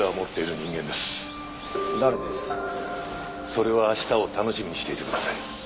それは明日を楽しみにしていてください。